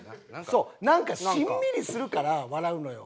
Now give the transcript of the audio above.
そうなんかしんみりするから笑うのよ。